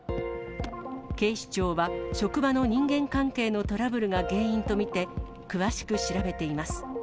警視庁は、職場の人間関係のトラブルが原因と見て、詳しく調べています。